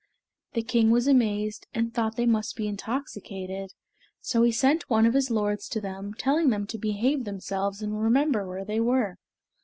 The king was amazed and thought they must be intoxicated, so he sent one of his lords to them, telling them to behave themselves and remember where they were.